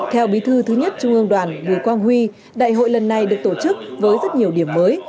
theo bí thư thứ nhất trung ương đoàn bùi quang huy đại hội lần này được tổ chức với rất nhiều điểm mới